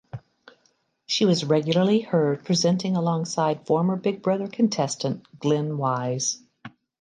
She was regularly heard presenting alongside former Big Brother contestant Glyn Wise.